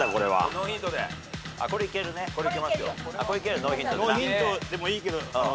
ノーヒントでもいいけど。